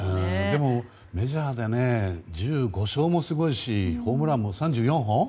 でも、メジャーで１５勝もすごいしホームランも３４本。